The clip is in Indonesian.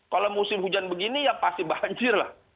kalau musim hujan begini ya pasti banjir lah